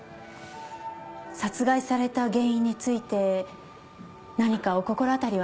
殺害された原因について何かお心当たりはありませんか？